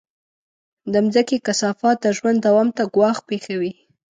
د مځکې کثافات د ژوند دوام ته ګواښ پېښوي.